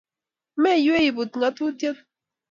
Meywei iput ngatutiet